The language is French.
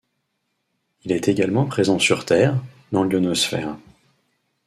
Il est également présent sur Terre, dans l'ionosphère.